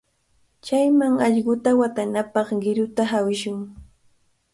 Chayman allquta watanapaq qiruta hawishun.